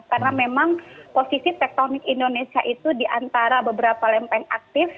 karena memang posisi tektonik indonesia itu diantara beberapa lempeng aktif